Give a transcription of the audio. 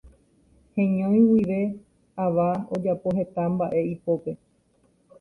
Heñói guive ava ojapo heta mbaʼe ipópe.